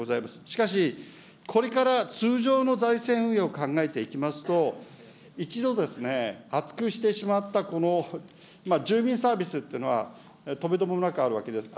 しかし、これから通常の財政運営を考えていきますと、一度、厚くしてしまったこの住民サービスっていうのは、止めどもなくあるわけです。